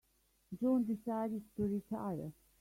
June decided to retire.